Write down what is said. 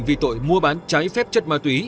vì tội mua bán trái phép chất ma túy